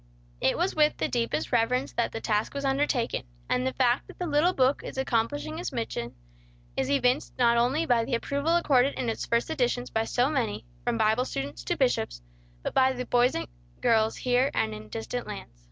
It was with the deepest reverence that the task was undertaken, and the fact that the little book is accomplishing its mission is evinced not only by the approval accorded its first editions by so many, from Bible students to bishops, but by the boys and girls here and in distant lands.